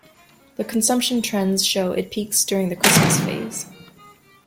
The consumption trends show it peaks during the Christmas phase.